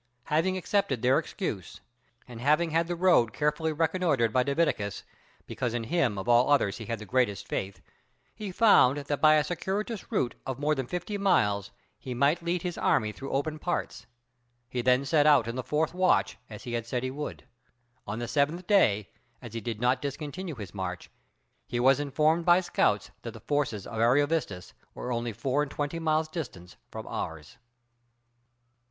Having accepted their excuse, and having had the road carefully reconnoitred by Divitiacus, because in him of all others he had the greatest faith, he found that by a circuitous route of more than fifty miles he might lead his army through open parts; he then set out in the fourth watch, as he had said he would. On the seventh day, as he did not discontinue his march, he was informed by scouts that the forces of Ariovistus were only four and twenty miles distant from ours.